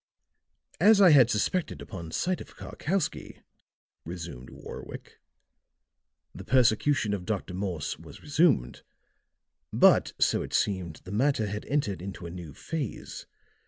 "As I had suspected upon sight of Karkowsky," resumed Warwick, "the persecution of Dr. Morse was resumed. But, so it seemed, the matter had entered into a new phase.